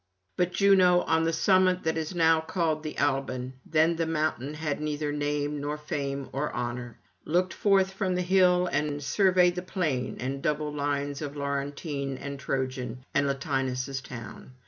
But Juno, on the summit that is now called the Alban then the mountain had neither name nor fame or honour looked forth from the hill and surveyed the plain and double lines of Laurentine and Trojan, and Latinus' town.